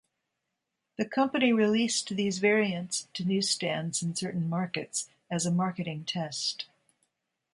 The company released these variants to newsstands in certain markets as a marketing test.